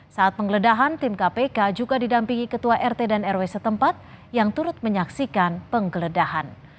saat penggeledahan tim kpk juga didampingi ketua rt dan rw setempat yang turut menyaksikan penggeledahan